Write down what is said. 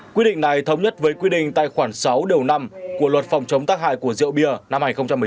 quy định này thống nhất với quy định tài khoản sáu điều năm của luật phòng chống tác hại của rượu bia năm hai nghìn một mươi chín